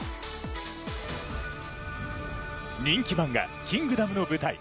人気漫画「キングダム」の舞台